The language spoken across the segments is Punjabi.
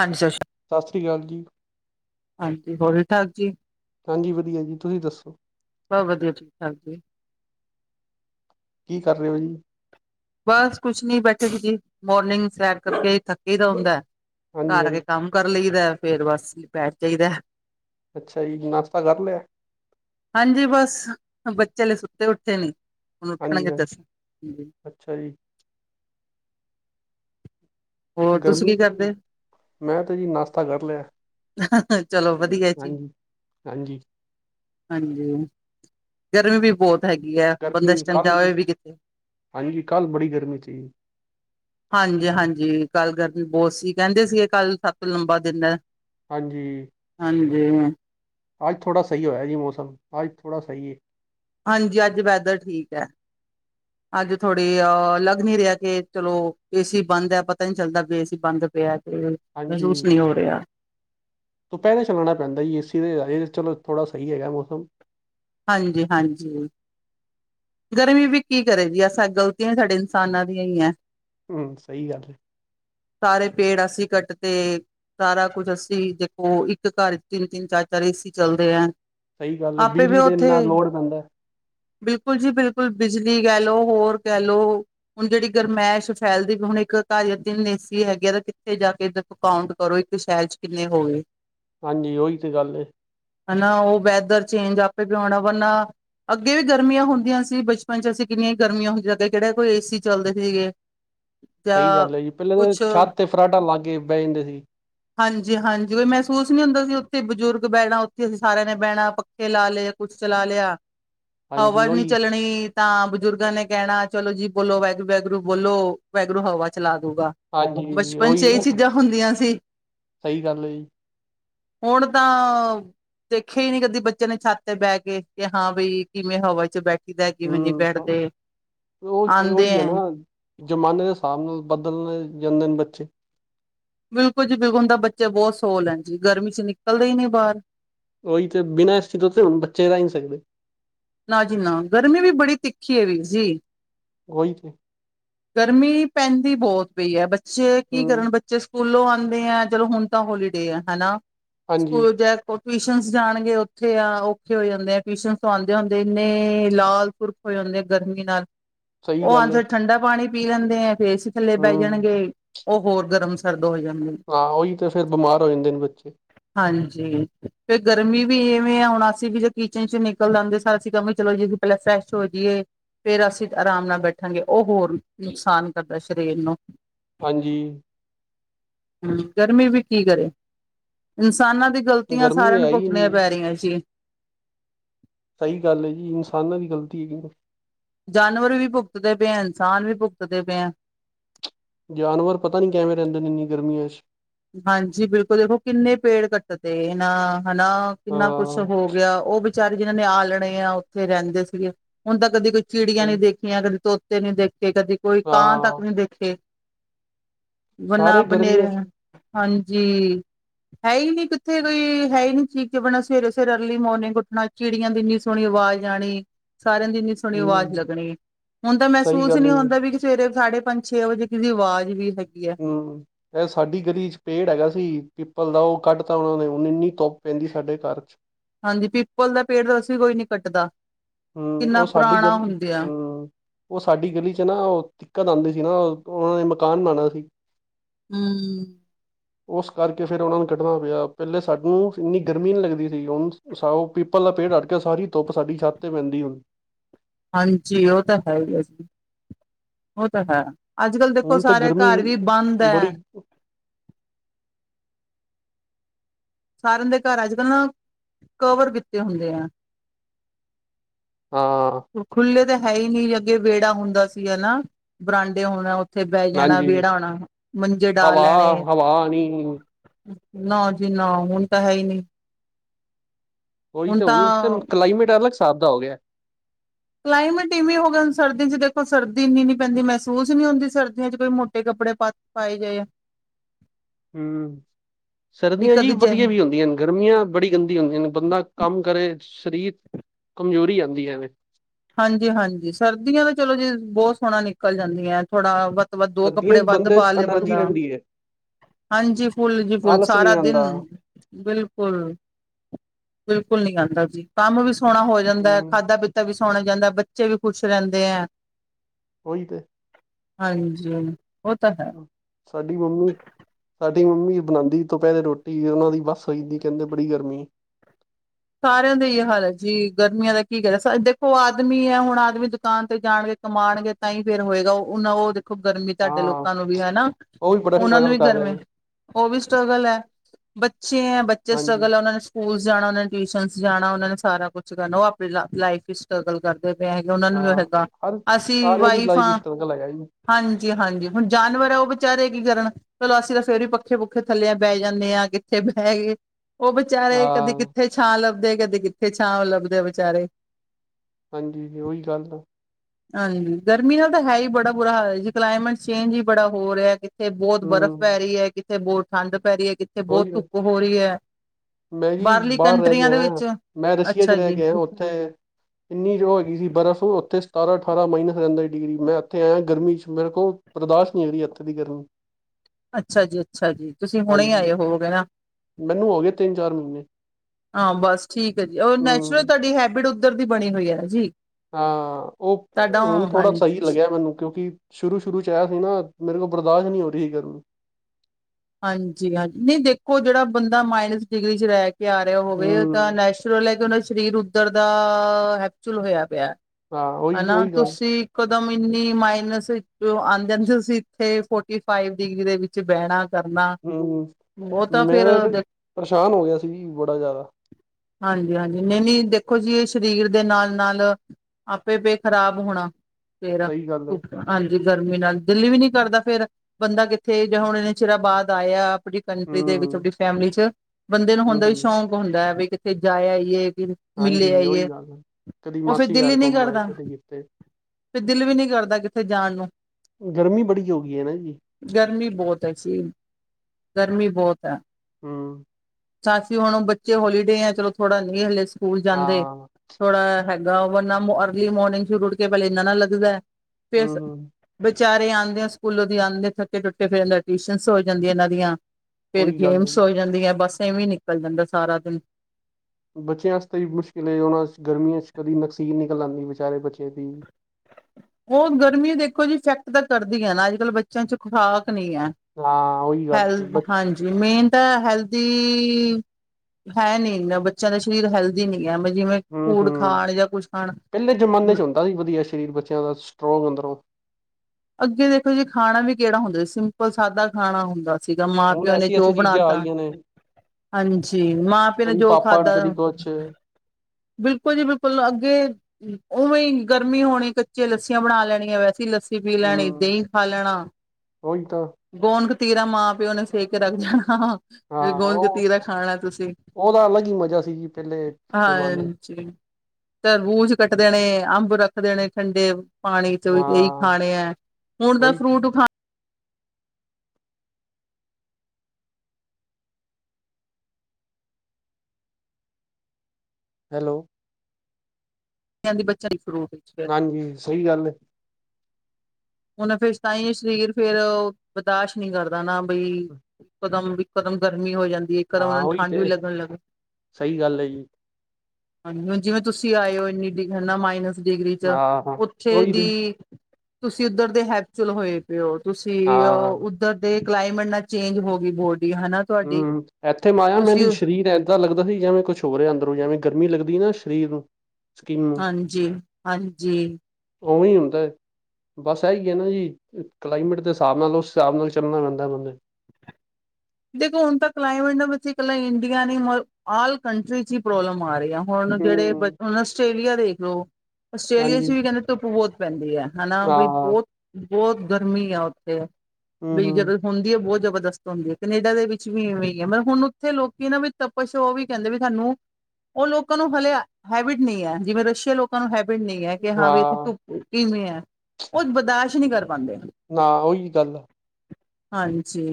ਹਾਂਜੀ, ਸਤਿ ਸ੍ਰੀ ਅਕਾਲ ਜੀ, ਹਾਂਜੀ ਹੋਰ ਵੀ, ਠਾਕ ਜੀ, ਹਾਂਜੀ ਵਧੀਆ ਜੀ, ਤੁਸੀਂ ਦੱਸੋ? ਬਸ ਵਧੀਆ ਠੀਕ ਠਾਕ ਜੀ ਕੀ ਕਰ ਰਹੇ ਹੋ ਜੀ। ਬਸ ਕੁਛ ਨੀ ਬੈਠੇ ਸੀ ਜੀ ਮੋਰਨਿੰਗ ਸੈਰ ਕਰਕੇ ਥੱਕੀ ਦਾ ਹੁੰਦਾ। ਘਰ ਆ ਕੇ ਹਾਂਜੀ-ਹਾਂਜੀ, ਕੰਮ ਕਰ ਲਈਏ। ਦਾ ਫੇਰ ਬਸ ਪੈ ਜਾਈਦਾ ਅੱਛਾ ਜੀ ਨਾਸ਼ਤਾ ਕਰ ਲਿਆ? ਹਾਂਜੀ ਬਸ ਬ [unintelligible] ਸੁੱਤੇ ਉੱਠੇ ਨੇ ਹੁਣ ਉੱਠਣਗੇ ਹਾਂਜੀ-ਹਾਂਜੀ, ਦੱਸ। ਅੱਛਾ ਜੀ ਹੋਰ ਤੁਸੀਂ ਗਰਮੀ ਕੀ ਕਰਦੇ ਮੈਂ ਤੇ ਜੀ ਨਾਸ਼ਤਾ ਕਰ ਲਿਆ। ਚਲੋ ਵਧੀਆ ਜੀ, ਹਾਂਜੀ-ਹਾਂਜੀ, ਹਾਂਜੀ ਗਰਮੀ ਵੀ ਬਹੁਤ ਹੈਗੀ ਹੈ ਬੰਦਾ ਗਰਮੀ ਇਸ ਟਾਈਮ ਕੱਲ ਜਾਵੇ ਵੀ ਕਿੱਥੇ ਹਾਂਜੀ ਕੱਲ ਬੜੀ ਗਰਮੀ ਸੀ ਹਾਂਜੀ ਹਾਂਜੀ ਕੱਲ ਕਰਨ ਬਹੁਤ ਸੀ ਕਹਿੰਦੇ ਸੀਗੇ ਕੱਲ ਸਭ ਤੋਂ ਲੰਬਾ ਦਿਨ ਹੈ। ਹਾਂਜੀ, ਹੂੰ, ਅੱਜ ਥੋੜ੍ਹਾ ਸਹੀ ਹੋਇਆ ਜੀ ਮੌਸਮ ਅੱਜ ਥੋੜ੍ਹਾ ਸਹੀ ਹੈ। ਹਾਂਜੀ ਅੱਜ ਵੈਦਰ ਠੀਕ ਹੈ, ਅੱਜ ਥੋੜ੍ਹੀ ਅਹ ਲੱਗ ਨਹੀਂ ਰਿਹਾ ਕਿ ਚਲੋ ਏਸੀ ਬੰਦ ਹੈ ਪਤਾ ਨੀ ਚੱਲਦਾ ਵੀ ਏਸੀ ਬੰਦ ਪਿਆ। ਤੇ ਮਹਿਸੂਸ ਹਾਂਜੀ, ਨਹੀਂ ਹੋ ਰਿਹਾ ਦੁਪਹਿਰੇ ਚੱਲਣਾ ਪੈਂਦਾ ਏ ਸੀ ਤੇ ਆਏ ਚਲੋ ਥੋੜ੍ਹਾ ਸਹੀ ਹੈਗਾ ਮੌਸਮ ਹਾਂਜੀ-ਹਾਂਜੀ, ਗਰਮੀ ਵੀ ਕੀ ਕਰੇ ਜੀ ਅਸਲ ਗਲਤੀਆਂ ਸਾਡੇ ਇਨਸਾਨਾਂ ਦੀਆਂ ਹੀ ਹੈ। ਹੂੰ ਸਹੀ ਗੱਲ ਏ। ਸਾਰੇ ਪੇੜ ਅਸੀਂ ਕੱਟ ਤੇ ਸਾਰਾ ਕੁਝ ਅਸੀਂ ਦੇਖੋ ਇੱਕ ਘਰ ਤਿੰਨ-ਤਿੰਨ, ਚਾਰ-ਚਾਰ, ਏਸੀ ਚੱਲਦੇ ਹੈ। ਸਹੀ ਗੱਲ ਹੈ ਆਪੇ ਵੀ ਬਿਜਲੀ ਤੇ ਉੱਥੇ ਇੰਨਾ ਬਿਲਕੁਲ ਜੀ ਬਿਲਕੁਲ ਬ ਬਿਜਲੀ ਕਹਿ ਲਓ ਹੋਰ ਕਹਿ ਲਓ, ਹੁਣ ਜਿਹੜੀ ਗਰਮਾਇਸ਼ ਫੈਲਦੀ ਵੀ ਹੁਣ ਇੱਕ ਘਰ ਤਿੰਨ ਏਸੀ ਹੈਗੇ, ਆ ਤਾਂ ਕਿੱਥੇ ਜਾ ਕੇ ਦੇਖੋ ਕਾਊਂਟ ਕਰੋ ਇੱਕ ਸ਼ਹਿਰ ਚ ਕਿੰਨੇ ਹੋ ਗਏ। ਹਾਂਜੀ ਉਹੀ ਤੇ ਗੱਲ, ਹਨਾ ਉਹ ਵੈਦਰ ਚੇਂਜ [unintelligible] ਅੱਗੇ ਵੀ ਗਰਮੀਆਂ ਹੁੰਦੀਆਂ ਸੀ ਬਚਪਨ ਚ ਅਸੀਂ ਕਿੰਨੀਆਂ ਗਰਮੀਆਂ ਹੁੰਦੀਆਂ ਸੀ, ਅੱਗੇ ਕਿਹੜੇ ਕੋਈ ਏ ਸੀ ਚੱਲਦੇ ਸੀਗੇ। ਸਹੀ ਜਾਂ ਗੱਲ ਹੈ ਜੀ ਪਹਿਲਾਂ ਤਾਂ ਕੁਛ ਛੱਤ ਤੇ ਫਰਾਟਾ ਲਾ ਕੇ ਬਹਿ ਜਾਂਦੇ ਸੀ। ਹਾਂਜੀ-ਹਾਂਜੀ, ਕੋਈ ਮਹਿਸੂਸ ਨੀ ਹੁੰਦਾ ਸੀ, ਉੱਥੇ ਬਜ਼ੁਰਗ ਬਹਿਣਾ ਉੱਥੇ ਅਸੀਂ ਸਾਰਿਆਂ ਨੇ ਬਹਿਣਾ ਪੱਖੇ ਲਾ ਲਏ। ਕੁਛ ਚਲਾ ਲਿਆ ਹਾਂਜੀ ਹਵਾ ਨੀ ਉਹੀ ਚੱਲਣੀ ਤਾਂ ਬਜ਼ੁਰਗਾਂ ਨੇ ਕਹਿਣਾ ਚਲੋ ਜੀ ਬੋਲੋ ਵਾਹਿਗੁਰੂ ਵਾਹਿਗੁਰੂ ਬੋਲੋ ਵਾਹਿਗੁਰੂ ਹਵਾ ਚਲਾਓ ਗਾ ਹਾਂਜੀ ਬਚਪਨ ਚ ਉਹੀ ਇਹ ਚੀਜ਼ਾਂ ਹੁੰਦੀਆਂ ਸੀ। ਸਹੀ ਗੱਲ ਹੈ ਜੀ ਹੁਣ ਤਾਂ ਦੇਖਿਆ ਹੀ ਨਹੀਂ ਕਦੀ ਬੱਚੇ ਨੇ ਛਤ ਤੇ ਬਹਿ ਕੇ ਕਿ ਹਾਂ ਬਈ ਕਿਵੇਂ ਹਵਾ ਚ ਬੈਠੇ ਹੂੰ ਉਹ ਆਂਦੇ ਹੋਆ ਐ ਨਾ ਜ਼ਮਾਨੇ ਦੇ ਹਿਸਾਬ ਨਾਲ ਬਦਲਣ ਜਾਂਦੇ ਨੇ ਬੱਚੇ। [unintelligible] ਬਿਲਕੁਲ ਜੀ ਬਿਲਕੁਲ ਹੁਣ ਤਾ ਬੱਚੇ ਬਹੁਤ ਸੋ ਲੈਣ ਜੀ ਗਰਮੀ ਚ ਨਿਕਲਦੇ ਹੀ ਨਹੀਂ ਬਾਹਰ ਉਹੀ ਤੇ ਬਿਨਾਂ ਏਸੀ ਤੋਂ ਬੱਚੇ ਰਹਿ ਨੀ ਸਕਦੇ। ਨਾ ਜੀ ਨਾ ਗਰਮੀ ਵੀ ਬੜੀ ਤਿੱਖੀ ਹੈ ਵੀਰ ਜੀ। ਉਹੀ ਤੇ ਗਰਮੀ ਪੈਂਦੀ ਦੀ ਬਹੁਤ ਪਈ ਹੈ ਬੱਚੇ ਕੀ ਹੂੰ ਕਰਨ ਬੱਚੇ ਸਕੂਲੋਂ ਆਉਂਦੇ ਆ ਚਲੋ ਹੁਣ ਤਾਂ ਹੋਲੀਡੇ ਆ ਹਨਾ। ਹਾਂਜੀ ਸਕੂਲ ਜਾਣਗੇ ਟਿਊਸ਼ਨ ਜਾਣਗੇ ਉੱਥੇ ਆ ਔਖੇ ਹੋ ਜਾਂਦੇ ਆ ਟਿਊਸ਼ਨ ਆਉਂਦੇ ਹੁੰਦੇ ਇੰਨੇ ਲਾਲ ਪੁਰਖ ਹੋਏ ਹੁੰਦੇ ਆ ਗਰਮੀ ਨਾਲ ਸਹੀ ਉਹ ਗੱਲ ਹੈ ਆ ਠੰਡਾ ਪਾਣੀ ਪੀ ਲੈਂਦੇ ਆ। ਫੇਰ ਏਸੀ ਥੱਲੇ ਬਹਿ ਹੂੰ ਜਾਣਗੇ। ਉਹ ਹੋਰ ਗਰਮ ਸਰਦ ਹੋ ਜਾਂਦੇ ਹਾਂ ਉਹੀ ਤਾਂ ਫੇਰ ਬਿਮਾਰ ਹੋ ਜਾਂਦੇ ਨੇ ਬੱਚੇ। ਹਾਂਜੀ, ਫਿਰ ਗਰਮੀ ਵੀ ਇਵੇਂ ਆਉਣਾ ਸੀ ਵੀ ਜ ਕਿਚਨ ਚ ਨਿਕਲ ਜਾਂਦੇ ਸੀ। ਅਸੀਂ ਕਮ ਹੀ ਚਲੋ ਅਸੀਂ ਪਹਿਲਾਂ ਫਰੈਸ਼ ਹੋ ਜਾਈਏ ਫੇਰ ਅਸੀਂ ਆਰਾਮ ਨਾਲ ਬੈਠਾਂਗੇ ਉਹ ਹੋਰ ਨੁਕਸਾਨ ਕਰਦਾ ਸਰੀਰ ਨੂੰ ਹਾਂਜੀ। ਹੂੰ, ਗਰਮੀ ਵੀ ਕੀ ਕਰੇ ਇਨਸਾਨਾ ਦੀ ਗਲਤੀਆਂ ਗਰਮੀ ਸਾਰਿਆਂ ਨੂੰ ਹੈ ਹੀ ਭੁਗਣੀਆਂ ਇੰਨੀ ਪੈ ਰਹੀਆਂ ਜੀ। ਸਹੀ ਗੱਲ ਹੈ ਜੀ ਇਨਸਾਨਾਂ ਦੀ ਗ਼ਲਤੀ ਹੈ। ਜਾਨਵਰ ਵੀ ਭੁਗਤਦੇ ਪਏ ਹੈ ਇਨਸਾਨ ਵੀ ਭੁਗਤਦੇ ਪਏ ਹੈਂ। ਜਾਨਵਰ ਪਤਾ ਨੀ ਕਿਵੇਂ ਰਹਿੰਦੇ ਨੇ ਇੰਨੀ ਗਰਮੀਆ 'ਚ। ਹਾਂਜੀ ਬਿਲਕੁਲ ਦੇਖੋ ਕਿੰਨੇ ਪੇੜ ਕੱਟਦੇ ਇਹ ਨਾ ਹਨਾ ਕਿੰਨਾ ਕੁਛ ਹਾਂ ਹੋ ਗਿਆ ਉਹ ਵਿਚਾਰੇ ਜਿਹਨਾਂ ਨੇ ਆ ਲੈਣੇ ਆ ਉੱਥੇ ਰਹਿੰਦੇ ਸੀਗੇ ਹੁਣ ਤਾਂ ਕਦੇ ਕੋਈ ਚਿੜੀਆਂ ਸਹੀ, ਨਹੀਂ ਦੇਖੀਆਂ ਕਦੇ ਤੋਤੇ ਨੀ ਦੇਖੇ ਕਦੇ ਕੋਈ ਕਾਂ ਹਾਂ ਤੱਕ ਨਹੀਂ ਦੇਖੇ। ਬਨਾ ਸਾਰੇ ਬਨੇਰ ਗਰਮੀਆਂ ਚ ਹਾਂਜੀ ਹੈ ਹੀ ਨਹੀਂੀ ਕਿੱਥੇ ਕੋਈ ਹੈ ਹੀ ਨੀ ਚੀਜ਼ ਚ ਬਣਣਾ ਸਵੇਰੇ ਸਵੇਰੇ ਅਰਲੀ ਮੋਰਨਿੰਗ ਉੱਠਣਾ ਚਿੜੀਆਂ ਦੀ ਇੰਨੀ ਸੋਹਣੀ ਆਵਾਜ਼ ਆਉਣੀ ਸਾਰਿਆਂ ਦੀ ਇੰਨੀ ਸੋਹਣੀ ਆਵਾਜ਼ ਹੂੰ ਲੱਗਣੀ ਏ ਹੁਣ ਤਾਂ ਸਹੀ ਮਹਿਸੂਸ ਹੀ ਗੱਲ ਨਹੀਂੀ ਹੈ ਹੁੰਦਾ ਵੀ ਸਵੇਰੇ ਸਾਢੇ ਪੰਜ ਛੇ ਵਜੇ ਕਿਸ ਦੀ ਆਵਾਜ਼ ਵੀ ਹੈਗੀ ਹੈ ਸਾਡੀ ਗਲੀ ਵਿਚ ਪੇੜ ਹੈਗਾ ਸੀ ਪਿੱਪਲ ਦਾ ਉਹ ਕੱਢ ਤਾ ਉਹ ਨੇ ਹੁਣ ਇੰਨੀ ਧੁੱਪ ਪੈਂਦੀ ਸਾਡੇ ਘਰ ਚ ਹਾਂਜੀ ਪੀਪਲ ਦਾ ਪੇੜਸ ਕੋਈ ਨਹੀਂੀ ਕੱਟਦਾ ਹਮ ਕਿੰਨਾ ਉਹ ਸਾਡੀ ਪੁਰਾਣਾ ਗਲੀ ਹੁੰਦੇ ਆ ਹਮ ਉਹ ਸਾਡੀ ਗਲੀ ਚ ਨਾ ਉਹ ਦਿੱਕਤਦ ਉਦੇ ਸੀ ਨਾ ਉਹ ਉਹਨਾਂ ਨੇ ਮਕਾਨ ਬਣਾਉਣਾ ਸੀ [inaudible] ਉਸ ਕਰਕੇ ਫੇਿਰ ਉਹਨਾ ਨੂੰ ਕੱਢਣਾ ਪਿਆ ਪਹਿਲੇ ਸਾਨੂੰ ਇੰਨੀ ਗਰਮੀ ਨਹੀਂ ਲੱਗਦੀ ਸੀ ਹੁਣ ਸ ਉਹ ਪੀਪਲ ਦਾ ਪੇੜ ਹਟ ਕੇ ਸਾਰੀ ਧੁੱਪ ਸਾਡੀ ਛੱਤ ਰਹਿੰਦੀ ਹੁਣ ਹਾਂਜੀ ਉਹ ਤਾਂ ਹੈ ਹੈ ਜੀ ਉਹ ਤਾਂ ਹੈ ਅੱਜ ਕੱਲ੍ਹ ਦੇਖੋ ਹੁਣ ਤੇ ਸਾਰੇ ਗਰਮੀ ਘਰ ਵੀ ਬੰਦ ਬੜੀ ਹੈ ਸਾਰਿਆਂ ਦੇ ਘਰ ਅੱਜ ਕੱਲ੍ਹ ਨਾ ਕਵਰ ਕੀਤੇ ਹੁੰਦੇ ਆ ਹਾਂ ਉਹ ਖੁੱਲੇ ਤੇ ਹੈ ਹੀ ਨਹੀਂੀ ਅੱਗੇ ਵਿਹੜਾ ਹੁੰਦਾ ਸੀ ਹਨਾ ਬਰਾਂਡੇ ਹੋਣਾੇ ਥੇ ਬਹਿ ਜਾਣਾ ਹਾਂਜੀ ਵਿਹੜਾ ਹੋਣਾ ਮੰਜੇ ਡਾਲ ਹਵਾ ਲੈਣੇ ਹਵਾ ਆਣੀ ਨ ਜੀ ਨ ਹੁਣ ਤਾਂ ਹੈ ਨਹੀਂ ਉਹੀ ਤੇ ਹੁਣ ਤੇ ਕਲਾਈਮੇਟ ਅਲੱਗ ਦਾ ਹੋ ਗਿਆ ਹੈ ਕਲਾਈਮੇਟ ਇਵੇਂ ਹੋ ਗਿਆੁਣ ਸਰਦੀਆਂ 'ਚ ਦੇਖੋ ਸਰਦੀ ਇੰਨੀ ਨਹੀਂ ਪੈਂਦੀ ਮਹਿਸੂਸ ਨਹੀਂ ਹੁੰਦੀ ਸਰਦੀਆਂ ' ਕੋਈ ਮੋਟੇ ਕੱਪੜੇ ਪਾ ਪਾਏ ਜਾਏ ਆ ਹਮ ਸਰਦੀਆਂ ਇੱਕ ਜੀ ਅੱਧੀ ਜ ਵਧੀਆ ਵੀ ਹੁੰਦੀਆਂ ਨੇ ਗਰਮੀਆਂ ਬੜੀ ਗੰਦੀ ਹੁੰਦੀਆਂ ਨੇ ਬੰਦਾ ਕੰਮ ਕਰੇ ਸਰੀਰ ਕਮਜ਼ੋਰੀ ਆਉਂਦੀ ਹੈਵੇ ਹਾਂਜੀ ਹਾਂਜੀ ਸਰਦੀਆਂ ਤਾਂ ਚਲੋ ਜੀ ਬਹੁਤ ਸੋਹਣਾ ਨਿਕਲ ਜਾਂਦੀਆਂ ਥੋੜਾ ਵ ਦੋ ਸਰਦੀਆਂ ਕੱਪੜੇ ਚ ਵੱਧ ਬੰਦੇ ਪਾ ਚ ਲਏ ਐਨਰਜੀ ਬੰਦਾ ਰਹਿੰਦੀ ਏ, ਹਾਂਜੀ ਫੁੱਲ ਜੀ ਫੁੱਲ ਆਲਸ ਨੀ ਸਾਰਾ ਦਿਨ ਆਂਦਾ। ਬਿਲਕੁਲ ਬਿਲਕੁਲ ਨੀ ਆਉਂਦਾ ਜ ਕੰਮ ਵੀ ਸੋਹਣਾ ਹੋ ਜਾਂਦਾ ਹੈ ਹੂੰ, ਖਾਧਾ ਪੀਤਾ ਵੀ ਸੌਣਾ ਜਾਂਦਾ ਬੱਚੇ ਵੀ ਖੁਸ਼ ਰਹਿੰਦੇ ਹੈ ਉਹੀ ਤੇ ਹਾਂਜੀ ਹੋ ਤਾਂ ਹੈ ਸਾਡੀ ਮੰਮੀ ਸਾਡੀ ਮੰਮੀ ਬਣਾਉਂਦੀ ਤੋਂਪਹਿਲੇ ਰੋਟੀ ਉਹਨਾਂ ਦੀ ਬੱਸ ਹੋ ਜਾਂਦੀ ਕਹਿੰਦੇ ਬੜੀ ਗਰਮੀ ਸਾਰਿਆਂ ਦਾ ਇਹੋ ਹਾਲ ਹੈ ਜੀ ਗਰਮੀਆਂ ਦਾ ਕੀ ਕਹਿ ਦੇਖੋ ਆਦਮੀ ਹੈ ਹੁਣ ਆਦਮੀ ਦੁਕਾਨ ਤੇ ਜਾਣਗੇ ਕਮਾਉਣਗੇ ਤਾਂ ਹੀ ਫੇਰ ਹੋਏਗਾ ਉਨਾ ਉਹ ਦੇਖੋ ਗਰਮੀ ਤੁਹਾਡੇ ਹਾਂ, ਲੋਕਾਂ ਨੂੰ ਵੀ ਹੈ ਨਾ ਉਹ ਵੀ ਬੜਾ ਉਹਨਾਂ ਨੂੰ ਸਟਰਗਲ ਵੀ ਕਰ ਰਹੇ ਗਰਮੀ ਨੇ, ਉਹ ਵੀ ਸਟਰਗਲ ਹੈ [inaudible] ਛੇ ਬੱਚੇ ਹਾਂਜੀ, ਦਾ ਸਕੂਲ ਜਾਣਾ ਨੇ, ਟਿਊਸ਼ਨ ਜਾਣਾ ਉਹਨਾਂ ਨੇ ਸਾਰਾ ਕੁਛ ਕਰਨਾ ਉਹ ਆਪਣੀ ਲਾਈਫ ਵਿੱਚ ਸਟਰਗਲ ਕਰਨਾ। ਪਏ ਹੈਗੇ, ਉਹਨਾਂ ਨੂੰ ਵੀ ਹਾਂ, ਹੈਗਾ ਹਰ ਅਸੀਂ ਸਾਰਿਆਂ ਦੀ ਵਾਈਫ ਲਾਈਫ ਹਾਂ ਸਟਰਗਲ ਹੈਗਾ ਜੀ, ਹਾਂਜੀ-ਹਾਂਜੀ, ਹੁਣ ਜਾਨਵਰ ਆ ਉਹ ਵਿਚਾਰੇ ਕੀ ਕਰਨ ਚਲੋ, ਅਸੀਂ ਤਾਂ ਫੇਰ ਵੀ ਪੱਖੇ ਪੁੱਖੇ ਥੱਲੇ ਬਹਿ ਜਾਂਦੇ ਹਾਂ ਕਿੱਥੇ ਬਹਿ ਗਏ। ਉਹ ਵਿਚਾਰੇ ਕਦੇ ਤੀ, ਹਾਂ, ਛਾਂ ਲੱਭਦੇ ਕਦੇ ਕਿੱਥੇ ਛਾਂ ਲੱਭਦੇ ਬਚਾਰੇ ਹਾਂਜੀ ਜੀ ਉਹੀ ਗੱਲ ਆ। ਹਾਂਜੀ ਗਰਮੀ ਨਾਲ ਤਾਂ ਹੈ, ਹੀ ਬੜਾ ਬੁਰਾ ਹਾਲ ਜੀ ਕਲਾਈਮੇਟ ਚੇਂਜ ਹੀ ਬੜਾ ਹੋ ਰਿਹਾ। ਇੱਥੇ ਬਹੁਤ ਬਰਫ਼ ਪੈ ਹੂੰ, ਰਹੀ ਹੈ ਕਿ ਤੇ ਬਹੁਤ ਠੰਢ ਪੈ ਰਹੀ ਹੈ। ਇੱਥੇ ਬਹੁਤ ਉਹੀ ਧੁੱਪ ਹੋ ਰਹੀ ਹੈ। ਮੈਂ ਜੀ ਬਾਹਰਲੀ ਰਹਿ ਕੰਟਰੀਆਂ ਦੇ ਗਿਆ ਵਿੱਚ ਮੈਂ ਰਸ਼ੀਆ ਚ ਅੱਛਾ ਰਹਿ ਜੀ ਗਿਆ ਉੱਥੇ ਇੰਨੀ ਜੋ ਹੈਗੀ ਸੀ ਬਰਫ਼ ਉੱਥੇ ਸਤਾਰਾਂ ਅਠਾਰਾਂ ਮਾਈਨਸ ਰਹਿੰਦਾ ਡਿਗਰੀ ਮੈਂ ਇੱਥੇ ਆਇਆ ਗਰਮੀ ਚ ਮੇਰੇ ਕੋਲ ਬਰਦਾਸ਼ਤ ਨੀ ਹੈਗ ਰਹੀ ਇੱਥੇ ਦੀ ਗਰਮੀ ਅੱਛਾ ਜੀ ਅੱਛਾ ਜੀ ਤੁਸੀਂ ਹੁਣੇ ਹਾਂਜੀ ਆਏ ਹੋਗੇ ਨਾ, ਮੈਨੂੰ ਹੋ ਗਏ ਤਿੰਨ ਚਾਰ ਮਹੀਨੇ ਹਾਂ ਬਸ ਠੀਕ ਹੈ ਜੀ ਉਹ ਨੈਚੁਰਲ ਹੂੰ ਤੁਹਾਡੀ ਹੈਬ ਉੱਧਰ ਦੀ ਬਣੀ ਹੋਈ ਹੈ ਜੀ, ਹਾਂ ਉਹ ਤੁਹਾਡਾ ਹੁਣ ਥੋੜ੍ਹਾ ਹਾਂਜੀ ਸਹੀ ਲੱਗਿਆ ਮੈਨੂੰ ਕਿਉਂਕਿ, ਸ਼ੁਰੂ-ਸ਼ੁਰੂ, ਚ ਆਇਆ ਸੀ ਨਾ ਮੇਰੇ ਕੋਲ ਬਰਦਾਸ਼ਤ ਨਹੀਂ ਹੋ ਰਹੀ ਸੀ ਘਰ ਹਾਂਜੀ-ਹਾਂਜੀ, ਨਹੀਂ ਦੇਖੋ ਜਿਹੜਾ ਬੰਦਾ ਮਾਈਨਸ ਡਿਗਰੀ ਚ ਰਹਿ ਕੇ ਕ ਰਿਹਾ ਹੋਵੇ ਤਾਂ ਹੂੰ ਨੈਚੁਰਲ ਹੈ ਕਿ ਉਹਨਾਂ ਸਰੀਰ ਉੱਧਰ ਦਾ ਹੈਕਚੁਅਲ ਹੋਇਆ ਪਿਆ। ਹਾਂ ਉਹੀ ਹਨਾ ਉਹੀ ਗੱਲ ਤੁਸੀਂ, ਕਦਮ ਇੰਨੀ ਮਾਈਨਸ ਆਦੇ ਜਾਂਦੇ ਸੀ, ਇੱਥੇ ਫੋਰਟੀ ਫਾਈਵ ਡਿਗਰੀ ਦੇ ਵਿੱਚ ਬਹਿਣਾ ਕਰਨਾ ਹਮ ਉਹ ਤਾਂ ਮੈਂਰਾ ਫੇਰ ਤੇ ਪਰੇਸ਼ਾਨ ਹੋ ਗਿਆ ਸੀ, ਬੜਾ ਜ਼ਿਆਦਾ ਹਾਂਜੀ-ਹਾਂਜੀ ਨੀ ਦੇਖੋ, ਜੀ ਇਹ ਸਰੀਰ ਦੇ ਨਾਲ-ਨਾਲ, ਆਪੇ ਪੇ ਖ਼ਰਾਬ ਹੋਣਾ। ਫੇਰ, ਸਹੀ ਗੱਲ ਹੈ ਗਰਮੀ ਨਾਲ ਦਿੱਲੀ ਵੀ ਨੀ ਕਰਦਾ ਫਰ ਬੰਦਾ ਕਿੱਥੇ ਜਾਂ ਹੁਣ ਇਹਨੇ ਚਿਰਾ ਬਾਅਦ ਆਇਆ। ਆਪਣੀ ਕੰਟਰੀ ਦੇ ਵਿੱਚ ਹੂੰ ਆਪਣੀ ਫੈਮਿਲੀ ਚ ਬੰਦੇ ਨੂੰ ਹੂੰ ਹੁੰਦਾ ਵੀ ਹੂੰ ਸ਼ੌਕ ਹੁੰਦਾ ਹੈ ਵੀ। ਕਿਥੇ ਜਾਇਆ ਈ ਐ। ਮਿਲੇ ਹਾਂਜੀ ਆਈਏ ਉਹੀ ਗੱਲ ਹੈ ਕਦੀ ਉਹ ਫਿਰ ਦਿਲ ਈ ਨੀ [unintelligible] ਫੇਰ ਦਿਲ ਵੀ ਨੀ ਕਰਦਾ, ਕਿਤੇ ਜਾਣ ਨੂੰ। ਗਰਮੀ ਬੜੀ ਹੋ ਗਈ ਆ ਨਾ ਜੀ। ਹੋਰ ਤਾਂ ਕੀ ਗਰਮੀ ਬਹੁਤ ਆ। ਹਾਂ। ਤਾਂਕਿ ਹੁਣ ਬੱਚੇ ਹੋਲੀਡੇ ਆ, ਚਲੋ ਥੋੜਾ ਕੇਅਰਲੇਸ ਸਕੂਲ ਜਾਂਦੇ ਹਾਂ ਥੋੜਾ ਹੈਗਾ ਉਹਨਾ ਅਰਲੀ ਮੋਰਨਿੰਗ ਸ਼ਰੂ ਉਠ ਕੇ ਪਹਿਲੇ ਇੰਨਾ ਨਾ ਲੱਗਦਾ [unintelligible] ਹੂੰ ਹੂੰ ਵਿਚਾਰੇ ਆਉਂਦੇ ਆ, ਸਕੂਲੋਂ ਦੀ ਆਂਦੇ ਥੱਕੇ ਟੁੱਟੇ, ਫਿਰ ਜਾਂਦੇ ਟਿਊਸ਼ਨ ਹੋ ਜਾਂਦੀ ਇਹਨਾਂ ਦੀਆਂ। ਫੇਰ ਉਹੀ ਗੱਲ ਹੈ ਗੇਮਸ ਹੋ ਜੀ। ਜਾਂਦੀਆਂ ਬਸ ਐਵੇਂ ਨਿਕਲ ਜਾਂਦਾ ਸਾਰਾ ਦਿਨ। ਬੱਚਿਆਂ ਵਾਸਤੇ ਵੀ ਮੁਸ਼ਕਿਲ ਉਹਣਾ ਗਰਮੀਆਂ 'ਚ ਕਦੀ ਨਕਸੀਹ ਨਿਕਲ ਆਉਂਦੀ ਵਿ ਚਾਰੇ ਬੱਚੇ ਵੀ ਉਹ ਗਰਮੀ ਦੇਖੋ ਜੀ ਇਫੈਕਟ ਤਾਂ ਕਰਦੀ ਹੈ ਨਾ, ਅੱਜ ਕੱਲ ਬੱਚਿਆਂ ਚ ਖੁਰਾਕ ਨਹੀਂ ਐ, ਹਾਂ ਉਹੀ ਗੱਲ ਹੈ, ਬ ਹੈਲਥ ਹਾਂਜੀ ਮੇਨ ਤਾਂ ਹੈਲਥੀ ਹੈ ਨਹੀ ਇੰਨਾ, ਬੱਚਿਆਂ ਦਾ ਸਰੀਰ ਹੈਲਥੀ ਨਹੀਂ ਹੈ ਜਿਵੇਂ ਹੂੰ ਫੂਡ ਹੂੰ, ਖਾਣ ਜਾਂ ਕੁਛ ਖਾਣ ਪਹਿਲੇ ਜ਼ਮਾਨੇ ਚ ਹੁੰਦਾ ਸੀ ਵਧੀਆ, ਸਰੀਰ ਬੱਚਿਆਂ ਦਾ ਸਟਰੋਂਗ ਅੰਦਰੋ। ਅੱਗੇ ਦੇਖੋ ਜੀ ਖਾਣਾ ਵੀ ਕਿਹੜਾ ਹੁੰਦਾ, ਸਿੰਪਲ ਸਾਦਾ ਖਾਣਾ ਹੁੰਦਾ ਸੀਗਾ, ਮਾਂ ਹੁਣ ਪਿਉ ਨੇ ਐਸੀ ਜੋ ਐਸੀ ਬਣਾ ਚੀਜ਼ਾਂ ਆ ਤਾ ਗਈਆਂ ਨੇ ਹਾਂਜੀ, ਮਾਂ ਪਿਉ ਨੇ ਕਦੀ ਜੋ ਪਾਪੜ ਖਾਧਾ ਕਦੀ ਕੁਛ ਬਿਲਕੁਲ ਜੀ ਬਿਲਕੁਲ, ਅੱਗੇ ਉਵੇਂ ਗਰਮੀ ਹੋਣੀ ਕੱਚੇ ਲੱੱਸੀਆਂ ਬਣਾ ਲੈਣੀਆਂ, ਵੈਸੇ ਹੀ ਪੀ ਲੈਣੀ, ਹੂੰ ਦਹੀਂ ਖਾ ਲੈਣਾ, ਉਹੀ ਤਾਂ ਗੋਂਦ ਜਿਹੜਾ ਮਾਂ ਪਿਓ ਨੇ ਸੇਕ ਕੇ ਰੱਖ ਜਾਣਾ ਹਾਂ ਗੂੰਦਕਤੀਰਾ ਉਹ ਖਾਣਾ ਤੁਸੀਂ, ਉਹਦਾ ਅਲੱਗ ਹੀ ਮਜ਼ਾ ਸੀ ਜੀ ਪਹਿਲੇ ਜ਼ਮਾਨੇ 'ਚ। ਹਾਂਜੀ ਤੇ ਤਰਬੂਜ ਕੱਟ ਦੇਣੇ। ਅੰਬ ਰੱਖ ਦੇਣੇ ਠੰਡੇ ਪਾਣੀ ਚ ਵੀ ਕਈ ਹਾਂ ਖਾਣੇ ਆ, ਹੁਣ ਤਾਂ ਉਹੀ ਫਰੂਟ ਖਾ ਹੈਲੋ। ਕਦੀ ਬੱਚਿਆਂ ਦੀ ਫਰੂਟ ਵਿੱਚ ਫਿਰ ਹਾਂਜੀ, ਸਹੀ ਗੱਲ। ਉਹਨਾ ਫਿਰ ਤਾਂ ਹੀ ਸਰੀਰ ਫੇਰ ਬਰਦਾਸ਼ਤ ਨਹੀਂ ਕਰਦਾ ਨਾ ਬਈ, ਇਕਦਮ ਗਰਮੀ ਹੋ ਜਾਂਦੀ ਇੱਕਦਮ ਹਾਂ ਉਹਨਾਂ ਨੂੰ ਉਹੀ ਠੰਡ ਵੀ ਤੇ ਲੱਗਣ ਲੱਗ ਸਹੀ ਗੱਲ ਹੈ ਜੀ ਹਾਂਜੀ, ਹੁਣ ਜਿਵੇਂ ਤੁਸੀਂ ਆਏ ਉ ਇੰਨੀ ਡਿਗਰੀ ਨਾ ਮਾਈਨਸ ਡਿਗਰੀ ਚ ਹਾਂ ਹਾਂ ਉੱਥੇ ਉਹੀ ਤੇ ਦੀ ਤੁਸੀਂ ਉੱਧਰ ਦੇ ਹੈਪਚਲ ਹੋਏ ਪਏ ਹੋ। ਤੁਸੀਂ ਅ ਹਾਂ ਉੱਧਰ ਦੇ ਕਲਾਈਮੇਟ ਨਾ ਚੇਂਜ ਹੋਗੀ ਬੋਟ ਹੂੰ, ਐਥੇ ਮੈ ਆਯਾ ਮੈਨੂੰ ਸਰੀਰ ਏਂਜਦਾ ਲੱਗਦਾ ਸੀ ਜਿਵੇ ਕੋਛ ਹੋ ਰਿਆ ਅੰਦਰੋਂ ਜੈਵੇਂ ਗਰਮੀ ਲਗਦੀ ਏਨਾ ਸ਼ ਸ਼ਰੀਰ ਨੂੰ। ਸਕਿਨ ਨੂੰ ਹਾਂਜੀ-ਹਾਂਜੀ। ਓਵੇਂ ਈ ਹੁੰਦੈ ਬਸ ਐਹੀ ਹੈ ਨਾ ਜੀ ਕਲਾਈਮੇਟ ਦੇ ਸਾਬ ਨਾਲ ਐਸ ਸਾਬ ਨਾਲ ਚੱਲਣਾ ਪੈਂਦਾ ਬੰਦੇ ਨ। ਦੇਖੋ ਹੁਣ ਤਾਂ ਕਲਾਈਮੇਟ ਨ ਬਚ ਕਲਾ ਇੰਡੀਆ ਨੀ ਮਅ ਆਲ ਕੰਟਰੀ ਚ ਪ੍ਰੋਬਲਮ ਆ ਰੀ ਆ। ਹੁਣ ਜੇੜੇ ਬੱਚ ਹੂੰ, ਹੁਣ ਆਸਟ੍ਰੇਲੀਆ ਦੇਖ ਲੋ‌। ਆਸਟ੍ਰੇਲੀਆ ਹਾਂਜੀ ਚ ਵੀ ਕੈੰਦੇ ਧੁੱਪ ਬੌਤ ਪੈਂਦੀ ਐ, ਹੈਨਾ ਬਈ ਹਾਂ ਬੌਤ ਬੌਤ ਗਰਮੀ ਆ ਉਤੇ। ਹੂੰ, ਬਈ ਹੂੰ ਜਿਵੇ ਹੁੰਦੀ ਐ ਬੌਤ ਜਬ ਰਦਸਤ ਹੁੰਦੀ ਐ। ਕਨੇਡਾ ਦੇ ਵਿੱਚ ਵੀ ਈਵੇਂ ਈਆ, ਮਤਬ ਹੁਣ ਉੱਥੇ ਲੋਕੀ ਨਾ ਵੀ ਤਪਸ਼ ਔ ਵੀ ਕੈੰਦੇ ਵੀ ਸਾਨੂੰ ਔ ਲੋਕਾਂ ਨੂੰ ਹਲੇ ਹੈਬਿਟ ਨਹੀਂ ਹੈ, ਜਿਵੇਂ ਰਸ਼ੀਆ ਲੋਕਾਂ ਨੂੰ ਹੈਬ ਬਿਨ ਨੀ ਐ, ਕਿ ਹਾਂ ਵਈ ਐਥੇ ਧੁੱਪ ਕਿਵੇਂ ਐ। ਔ ਬਰਦਾਸ਼ ਨੀ ਕਰ ਪਾਂਦੇ। ਨਾ ਔਈ ਗੱਲ ਹਾਂਜੀ।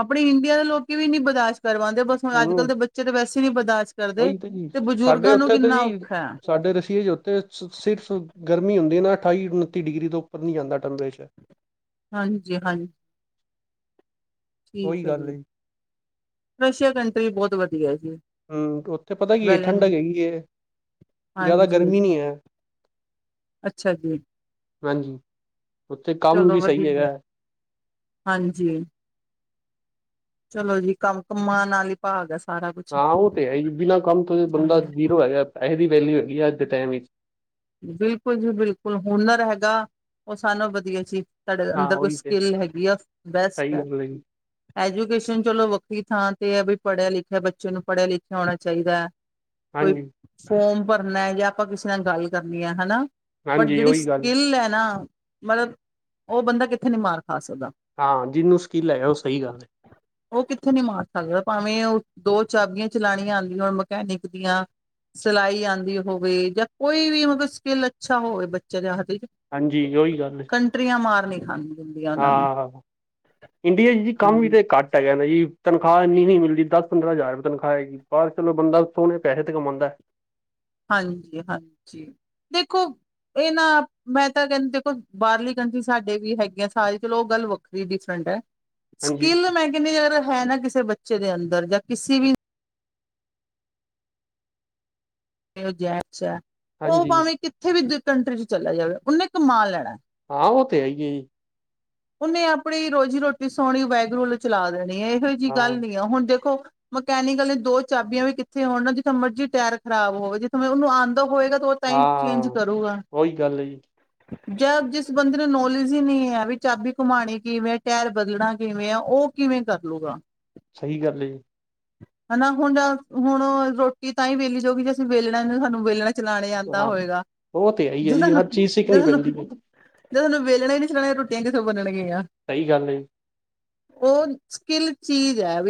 ਆਪਣੇ ਇੰਡੀਆ ਦੇ ਲੋਕੀ ਵੀਨੀ ਬਰਦਾਸ਼ ਕਰਵਾਦੇ ਬਸ ਹੁਣ ਅੱਜ-ਕੱਲ ਦੇ ਬੱਚੇ ਤਾਂ ਵੈਸ ਵੀ ਨੀ ਬਰਦਾਸ਼ ਔਹੀ ਤੇ ਜੀ ਸਾਡੇ ਔਥੇ ਤੇ ਜੀ ਔਖਾ ਹੈ ਸਾਡੇ ਰਸੀਏ ਚ ਔਥੇ ਸ ਸਿਰਫ ਗਰਮੀ ਹੁੰਦੀ ਨਾ ਅਠਾਈ ਉਨੱਤੀ ਡਿਗਰੀ ਤੋਂ ਉੱਪਰ ਨੀ ਜਾਂਦਾ ਟੈਂਪਰੇਚਰ। ਹਾਂਜੀ-ਹਾਂਜੀ। ਠੀਕ ਹੈ ਜੀ, ਰਸ਼ੀਆ ਕੰਟ ਪੇ ਬਹੁਤ ਵਧੀਆ। ਜੀ ਹੂੰ, ਔਥੇ ਪਤਾ ਕੀ ਏ ਵੈਲਨ ਠੰਢਕ ਹੈਗੀ ਏ, ਜੈਦਾ ਹਾਂਜੀ ਗਰਮੀ ਨੀ ਹੈ। ਅੱਛਾ ਜੀ ਹਾਂਜੀ। ਉੱਥੇ ਕੰਮ ਚਲੋ ਵੀ ਸਹੀ ਵਧੀਆ ਹੈਗਾ ਹਾਂਜੀ। ਚਲੋ ਜੀ, ਕੰਮ ਕੰਮਾਂ ਨਾਲ ਈ ਭਾਗ ਐ। ਹਾਂ, ਔ ਤੇ ਹੈ ਈ ਬਿਨਾਂ ਕੰਮ ਤੋਂ ਬੰਦਾ ਹਾਂਜੀ ਜ਼ੀਰੋ ਹੈਗਾ ਪੈਸੇ ਦੀ ਵੈਲਿਊ ਹੈਗ ਵੀ ਅਜ ਦੇ ਟਾਈਮ ਚ। ਬਿਲਕੁਲ ਜੀ ਬਿਲਕੁਲ, ਹੁਨਰ ਹੈਗਾ ਔ ਸਾਰੇ ਨਾਲੋ ਵਧੀਆ ਸੀ। ਸਾਡੇ ਹਾਂ ਅੰਦਰ ਕੋਈ ਉਹੀ ਤੇ ਸਕਿੱਲ ਹੈਗੀ ਆ ਬੈਸਟ ਸਹੀ ਐ। ਗੱਲ ਹੈ ਜੀ ਐਜੂਕੇਸ਼ਨ ਚਲੋ ਵੱਖਰੀ ਥਾਂ ਤੇ ਐ ਬਈ ਪੜ੍ਹਿਆ ਲਿਖਿਆ ਬੱਚੇ ਨੂੰ ਪੜ੍ਹਿਆ ਲਿਖਿਆ ਹੋਣਾ ਚਾਹੀਦੈ। ਕੋਈ ਹਾਂਜੀ ਫੋਮ ਭਰਨੈ ਜਾ ਆਪਾਂ ਕਿਸੇ ਨਾਲ ਗੱਲ ਕਰਨੀ ਆ ਹਨਾ ਬਟ ਹਾਂਜੀ ਜਿਹੜੀ ਉਹੀ ਗੱਲ ਸਕਿੱਲ ਹੈ ਨਾ ਮਤਲਬ ਉਹ ਬੰਦਾ ਕਿੱਥੇ ਨੀ ਮਾਰ ਖਾ ਸਕਦਾ ਹਾਂ ਜਿਹਨੂੰ ਸਕਿੱਲ ਹੈਗਾ ਉਹ ਸਹੀ ਗੱਲ ਹੈ ਉਹ ਕਿੱਥੇ ਨੀ ਮਾਰ ਸਕਦਾ ਭਾਵੇਂ ਉਹ ਦੋ ਚਾਬੀਆਂ ਚਲਾਣੀਆਂ ਆਉਂਦੀਆਂ ਹੋਣ ਮਕੈਨਿਕ ਦੀਆਂ ਸਿਲਾਈ ਆਉਂਦੀ ਹੋਵੇ ਜਾਂ ਕੋਈ ਵੀ ਮਤਲਬ ਸਕਿੱਲ ਅੱਛਾ ਹੋਵੇ ਬੱਚਾ ਦੇ ਹੱਥ ਵਿੱਚ ਹਾਂਜੀ ਓਹੀ ਗੱਲ ਕੰਟਰੀਆਂ ਮਾਰ ਨਹੀਂ ਖਾਣ ਦਿੰਦੀਆਂ ਉਹਨਾਂ ਨੂੰ ਆਹ ਇੰਡੀਆ ਚ ਜੀ ਕੰਮ ਵੀ ਹਾਂਜੀ ਤੇ ਘੱਟ ਹੈਗਾ ਨਾ ਜੀ ਤਨਖਾਹ ਇੰਨੀ ਨਹੀਂ ਮਿਲਦੀ ਦਸ ਪੰਦਰਾਂ ਹਜ਼ਾਰ ਰੁਪਏ ਤਨਖਾਹ ਹੈਗੀ ਬਾਹਰ ਚਲੋ ਬੰਦਾ ਸੋਹਣੇ ਪੈਸੇ ਤੇ ਕਮਾਦਾ ਹਾਂਜੀ ਹਾਂਜੀ ਦੇਖੋ ਇਹ ਨਾ ਮੈਂ ਤਾਂ ਕਹਿੰਦੀ ਦੇਖੋ ਬਾਹਰਲੀ ਕੰਟਰੀ ਸਾਡੇ ਵੀ ਹੈਗੇ ਆ ਸਾਰੀ ਚਲੋ ਉਹ ਗੱਲ ਵੱਖਰੀ ਡਿਫਰੈਂਟ ਹੈ ਹਾਂਜੀ ਸਕਿੱਲ ਮੈਂ ਕਹਿੰਦੀ ਯਾਰ ਹੈ ਨਾ ਕਿਸੇ ਬੱਚੇ ਬੱਚੇ ਦੇ ਅੰਦਰ ਜਾਂ ਕਿਸੀ ਵੀ ਇਹੋ ਜਾ ਅੱਛਾ ਉਹ ਹਾਂਜੀ ਭਾਵੇਂ ਕਿੱਥੇ ਵੀ ਕੰਟਰੀ ਚ ਚੱਲਿਆ ਜਾਵੇ ਉਹਨੇ ਕਮਾ ਲੈਣਾ ਹਾਂ ਉਹ ਤੇ ਹੈਈ ਐ ਜੀ ਉਹਨੇ ਆਪਣੀ ਰੋਜ਼ੀ ਰੋਟੀ ਸੋਹਣੀ ਵਾਹਿਗੁਰੂ ਵੱਲੋਂ ਚਲਾ ਦੇਣੀ ਨਹੀਂ ਇਹੋ ਜਿਹੀ ਹਾਂ ਗੱਲ ਨੀ ਆ ਹੁਣ ਦੇਖੋ ਮਕੈਨਿਕਲ ਨੇ ਦੋ ਚਾਬੀਆਂ ਵੀ ਕਿੱਥੇ ਹੋਣ ਜਿੱਥੇ ਮਰਜ਼ੀ ਟਾਇਰ ਖਰਾਬ ਹੋਵੇ ਜਿੱਥੇ ਉਹਨੂੰ ਆ ਦਾ ਹੋਏਗਾ ਤਾਂ ਉਹ ਤਾਂ ਹੀ ਚੇਂਜ ਹਾਂ ਕਰੂਗਾ ਉਹੀ ਗੱਲ ਹੈ ਜੀ ਜਾਂ ਜਿਸ ਬੰਦੇ ਨੂੰ ਨੌਲੇਜ ਹੀ ਨਹੀਂ ਹੈ ਵੀ ਚਾਬੀ ਘੁਮਾਉਣੀ ਕਿਵੇਂ ਹੈ ਟਾਇਰ ਬਦਲਣਾ ਕਿਵੇਂ ਹੈ ਉਹ ਕਿਵੇਂ ਕਰ ਲੂਗਾ ਸਹੀ ਗੱਲ ਹੈ ਜੀ ਹਨਾ ਹੁਣ ਹੁਣ ਰੋਟੀ ਤਾਂ ਹੀ ਵੇਲੀ ਜਾਊਗੀ ਜੇ ਅਸੀਂ ਵੇਲਣਾ ਸਾਨੂੰ ਵੇਲਣਾ ਚਲਾਣੇ ਆਉਂਦਾ ਹਾਂ ਹੋਏਗਾ ਉਹ ਤੇ ਹੈਹੀ ਹੈ ਜੀ ਹਰ ਚੀਜ਼ ਸਿੱਖਣੀ ਪੈਂਦੀ ਜਦ ਸਾਨੂੰ ਵੇਲਣਾ ਹੀ [unintelligible] ਰੋਟੀ ਰੋਟੀਆਂ ਕਿਥੋਂ ਬਣਣਗੀਆਂ ਸਹੀ ਗੱਲ ਉਹ ਸਕਿੱਲ ਚੀਜ਼ ਹੈ ਵੀ